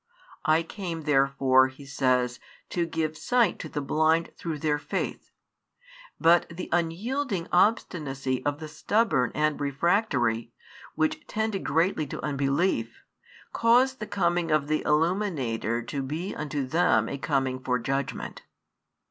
I came therefore, He says, to give sight to the blind through their faith; but the unyielding obstinacy of the stubborn and refractory, which tended greatly to unbelief, caused the coming of the Illuminator to be unto them a coming for judgment.